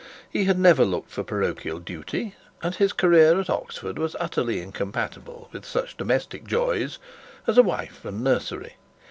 He had never looked for parochial duty, and his career at Oxford was utterly incompatible with such domestic joys as a wife and nursery.